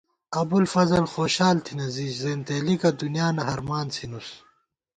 ابُوالفضل خوشال تھنہ زی زېنتېلِکہ دُنیانہ ہرمان څھِنُس